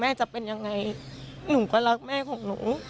แม่เป็นคนกินเหล้าจริง